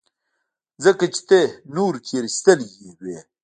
ځکه چې ته نورو تېرايستلى وې.